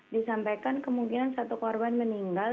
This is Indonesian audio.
disampaikan kemudian satu korban meninggal